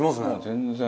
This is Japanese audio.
全然。